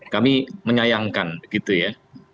kami menyayangkan gitu ya